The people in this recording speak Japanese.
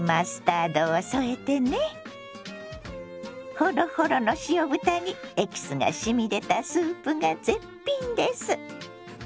ほろほろの塩豚にエキスがしみ出たスープが絶品です。